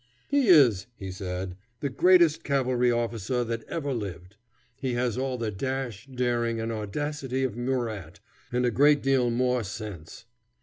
"He is," he said, "the greatest cavalry officer that ever lived. He has all the dash, daring, and audacity of Murat, and a great deal more sense."